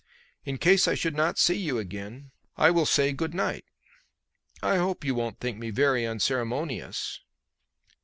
In case I should not see you again I will say 'good night.' I hope you won't think me very unceremonious."